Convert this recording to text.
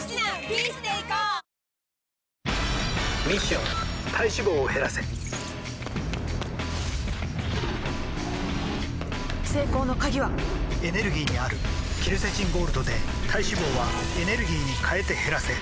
ミッション体脂肪を減らせ成功の鍵はエネルギーにあるケルセチンゴールドで体脂肪はエネルギーに変えて減らせ「特茶」